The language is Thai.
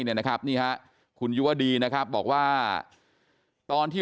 เนี่ยนะครับนี่ฮะคุณยุวดีนะครับบอกว่าตอนที่